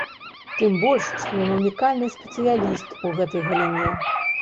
Тым больш, што ён унікальны спецыяліст у гэтай галіне.